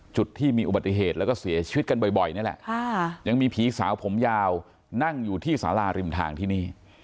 จุดที่มีอุบัติเหตุแล้วก็เสียชีวิตกันบ่อยนี่แหละยังมีผีสาวผมยาวนั่งอยู่ที่สาราริมทางที่นี่